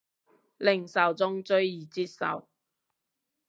令受眾最易接受